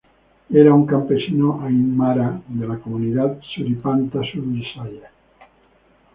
Era un campesino aymara, de la comunidad Suripanta-Surusaya.